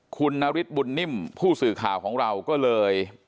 คุณนฤทธิบุญนิ่มผู้สื่อข่าวของเราก็เลย